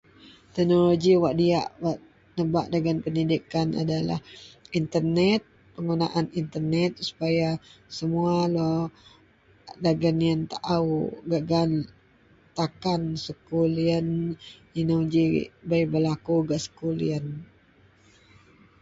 tenologi wak diak wak nebak dagen Pendidikan adalah internet penggunaan internet supaya semua lau dagen ien taau gak gaan takan sekul ien inou ji bei belaku gak sekul ien